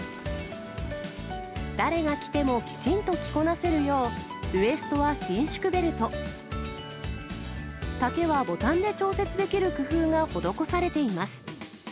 誰が着てもきちんと着こなせるよう、ウエストは伸縮ベルト、丈はボタンで調節できる工夫が施されています。